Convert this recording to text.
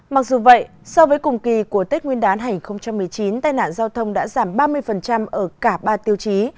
mặc dù vậy so với cùng kỳ của tết nguyên đán hành một mươi chín tai nạn giao thông đã giảm ba mươi ở cả ba tiêu chí